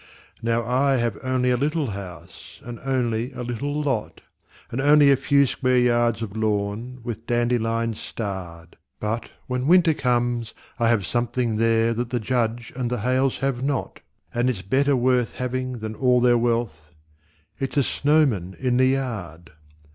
Now I have only a little house, and only a little lot, And only a few square yards of lawn, with dandelions starred; But when Winter comes, I have something there that the Judge and the Hales have not, And it's better worth having than all their wealth it's a snowman in the yard.